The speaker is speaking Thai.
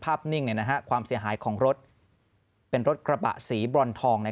นิ่งความเสียหายของรถเป็นรถกระบะสีบรอนทอง